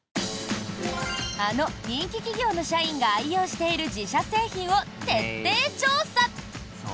あの人気企業の社員が愛用している自社製品を徹底調査！